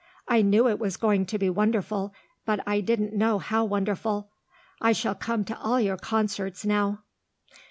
"I knew it was going to be wonderful, but I didn't know how wonderful. I shall come to all your concerts now."